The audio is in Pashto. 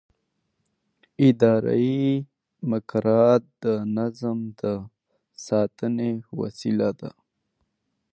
اداري مقررات د نظم د ساتنې وسیله ده.